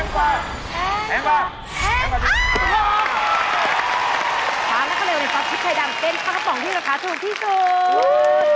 ครับแล้วก็เลยวิฟัสที่ใครดังเป็นข้าวข้าวปล่องที่ราคาถูกที่สุด